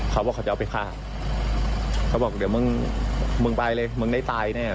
เดี๋ยวเอาไปฆ่าเขาบอกเดี๋ยวมึงไปเลยมึงได้ตายเนี่ย